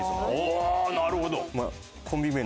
ああなるほど。